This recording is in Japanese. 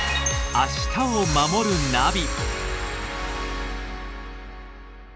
「明日をまもるナビ」